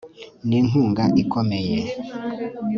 ni inkunga ikomeye